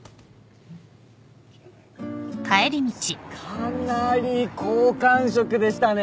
かなり好感触でしたね。